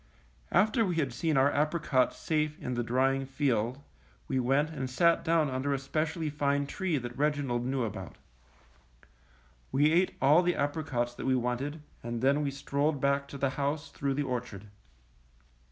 After we had seen our apricots safe in the drying field, we went and sat down under a specially fine tree that Reginald knew about. We ate all the apricots that we wanted, and then we strolled back to the house through the orchard.